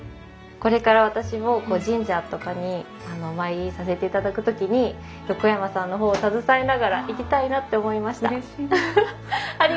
これから私も神社とかにお参りさせて頂く時に横山さんの本を携えながら行きたいなって思いました。